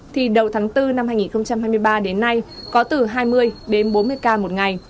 thì đầu tháng bốn năm hai nghìn hai mươi ba đến nay có từ hai mươi đến bốn mươi ca một ngày